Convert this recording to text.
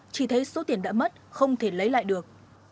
chỉ thấy số tiền đã mất không thể lấy lại được